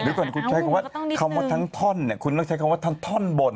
หรือก่อนคุณใช้คำว่าทั้งท่อนคุณต้องใช้คำว่าทั้งท่อนบน